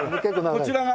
こちらが？